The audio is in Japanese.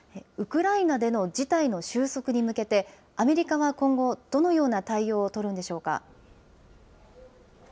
ウクライナでの事態の収束に向けて、アメリカは今後、どのような対応を取るんでしょうか。